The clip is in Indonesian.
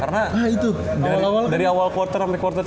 karena dari awal quarter sampe quarter tiga